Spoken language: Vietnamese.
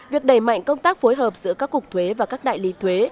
việc đẩy mạnh công tác phối hợp giữa các cục thuế và các đại lý thuế